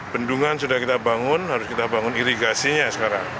bendungan sudah kita bangun harus kita bangun irigasinya sekarang